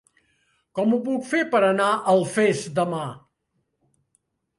Com ho puc fer per anar a Alfés demà?